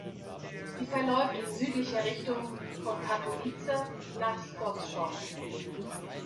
Sie verläuft in südlicher Richtung von Katowice nach Skoczów.